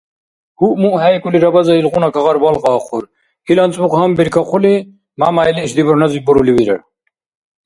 Уъ-муъхӏейкӏули Рабазай илгъуна кагъар балкьаахъур. Ил анцӏбукь гьанбиркахъули Мямяйли ишди бурхӏназиб бурули вирар: